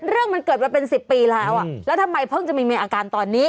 เรื่องมันเกิดมาเป็น๑๐ปีแล้วแล้วทำไมเพิ่งจะมีมีอาการตอนนี้